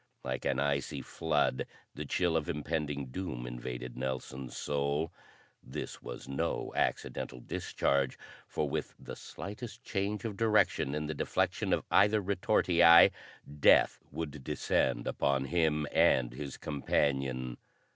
Like an icy flood the chill of impending doom invaded Nelson's soul. This was no accidental discharge, for with the slightest change of direction in the deflection of either retortii, death would descend upon him and his companion.